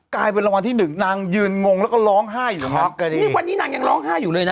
กลายเป็นรางวัลที่หนึ่งนางยืนงงแล้วก็ร้องไห้อยู่ครับนี่วันนี้นางยังร้องไห้อยู่เลยนะ